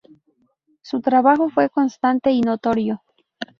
Su trabajo fue constante y notorio.